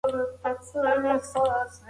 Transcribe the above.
ایا انسان ټولنیز موجود دی؟